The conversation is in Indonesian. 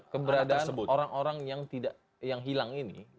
keberadaan orang orang yang hilang ini